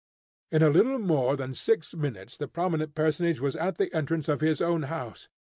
In a little more than six minutes the prominent personage was at the entrance of his own house.